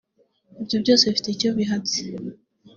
ibyo byose bifite icyo bihatse